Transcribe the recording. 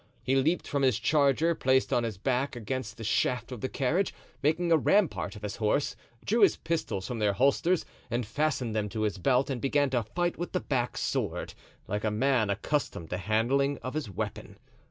He leaped from his charger, placed his back against the shaft of the carriage, making a rampart of his horse, drew his pistols from their holsters and fastened them to his belt, and began to fight with the back sword, like a man accustomed to the handling of his weapon.